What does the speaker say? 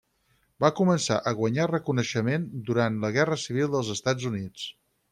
Va començar a guanyar reconeixement durant la Guerra Civil dels Estats Units.